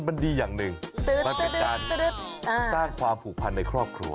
มันดีอย่างหนึ่งมันเป็นการสร้างความผูกพันในครอบครัว